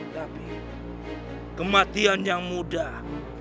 tapi kematian yang mudah